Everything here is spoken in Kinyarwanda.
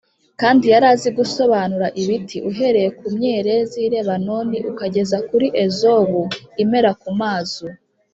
kandi yari azi gusobanura ibiti, uhereye ku myerezi y’i lebanoni ukageza kuri ezobu imera ku mazu;